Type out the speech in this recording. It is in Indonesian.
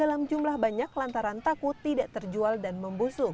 dalam jumlah banyak lantaran takut tidak terjual dan membusuk